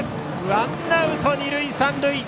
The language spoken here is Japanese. ワンアウト、二塁三塁。